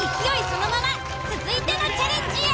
そのまま続いてのチャレンジへ！